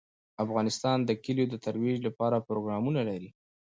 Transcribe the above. افغانستان د کلیو د ترویج لپاره پروګرامونه لري.